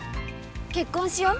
結婚しよう。